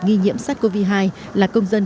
nghi nhiễm sars cov hai là công dân